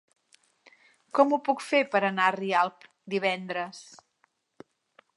Com ho puc fer per anar a Rialp divendres?